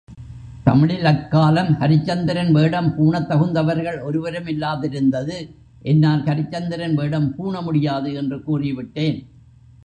தமிழில் அக்காலம் ஹரிச்சந்திரன் வேடம் பூணத் தகுந்தவர்கள் ஒருவருமில்லாதிருந்தது என்னால் ஹரிச்சந்திரன் வேடம் பூண முடியாது என்று கூறிவிட்டேன்.